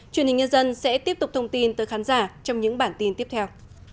truyền hình nhân dân sẽ tiếp tục thông tin tới khán giả trong những bản tin tiếp theo